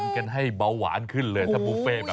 กันให้เบาหวานขึ้นเลยถ้าบุฟเฟ่